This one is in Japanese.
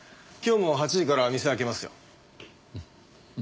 今日も８時から店開けますよ。